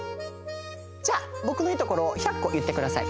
じゃあぼくのいいところを１００こいってください。